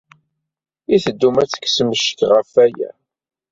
I teddum ad d-tekksem ccek ɣef waya?